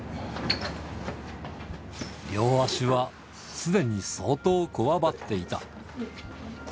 両足はすでに相当こわばっていた。